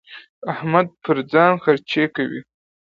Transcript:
احمد پر ځان خرڅې کوي.